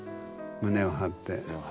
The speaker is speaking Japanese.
胸を張って。